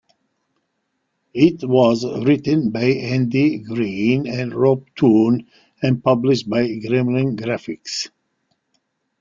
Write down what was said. It was written by Andy Green and Rob Toone and published by Gremlin Graphics.